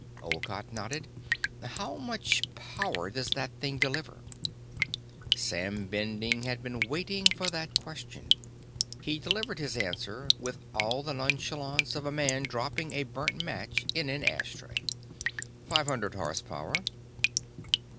Olcott nodded. "How much power does that thing deliver?" Sam Bending had been waiting for that question. He delivered his answer with all the nonchalance of a man dropping a burnt match in an ash tray. "Five hundred horsepower."